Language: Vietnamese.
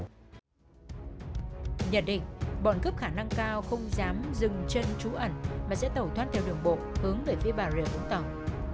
nhật định bọn cướp khả năng cao không dám dừng chân trú ẩn mà sẽ tẩu thoát theo đường bộ hướng về phía bà rìa vùng tàu